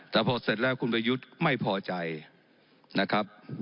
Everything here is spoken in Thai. แต่พอเสร็จแล้วคุณประยุทธ์ไม่พอใจนะครับ